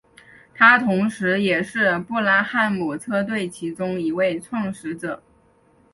他同时也是布拉汉姆车队其中一位创始者。